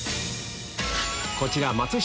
こちら松下